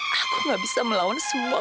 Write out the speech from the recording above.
jangan serta merta spesifik